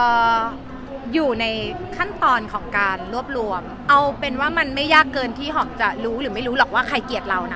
อยู่ในขั้นตอนของการรวบรวมเอาเป็นว่ามันไม่ยากเกินที่หอบจะรู้หรือไม่รู้หรอกว่าใครเกลียดเรานะ